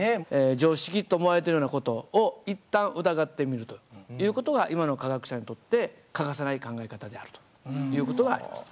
常識と思われているような事を一旦疑ってみるという事が今の科学者にとって欠かせない考え方であるという事があります。